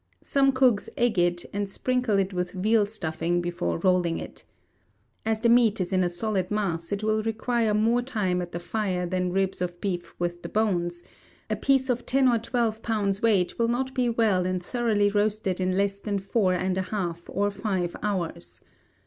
Some cooks egg it, and sprinkle it with veal stuffing before rolling it. As the meat is in a solid mass, it will require more time at the fire than ribs of beef with the bones: a piece of ten or twelve pounds weight will not be well and thoroughly roasted in less than four and a half or five hours.